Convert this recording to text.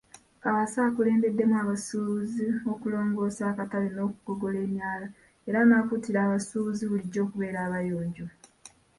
Kaawaase akulembeddemu abasuubuzi okulongoosa akatale n'okugogola emyala, era n'akuutira abasuubuzi bulijjo okubeera abayonjo.